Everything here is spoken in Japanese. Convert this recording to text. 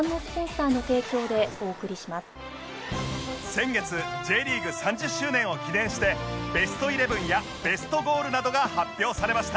先月 Ｊ リーグ３０周年を記念してベストイレブンやベストゴールなどが発表されました